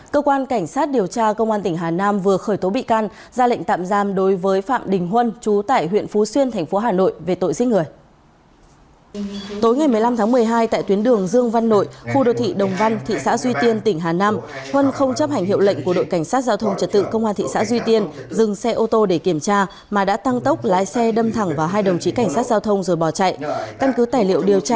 cơ quan cảnh sát điều tra bộ công an đang điều tra vụ án vi phạm quy định về nghiên cứu thăm dò khai thác tài nguyên đưa hối lộ nhận hối lộ nhận hối lộ